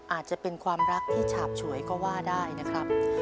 อาจจะเป็นความรักที่ฉาบฉวยก็ว่าได้นะครับ